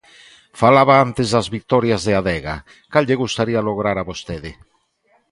Falaba antes das vitorias de Adega, cal lle gustaría lograr a vostede?